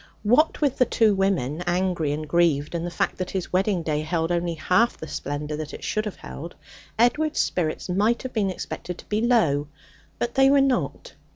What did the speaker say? What with the two women, angry and grieved, and the fact that his wedding day held only half the splendour that it should have held, Edward's spirits might have been expected to be low; but they were not.